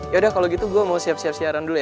yaudah kalau gitu gue mau siap siap siaran dulu ya